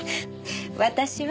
私は。